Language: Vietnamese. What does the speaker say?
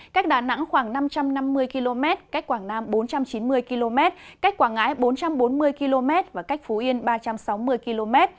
cách đà nẵng khoảng năm trăm năm mươi km cách quảng nam bốn trăm chín mươi km cách quảng ngãi bốn trăm bốn mươi km và cách phú yên ba trăm sáu mươi km